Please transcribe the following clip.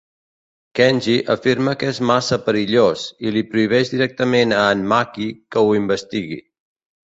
Kenji afirma que és massa perillós, i li prohibeix directament a en Maki que ho investigui.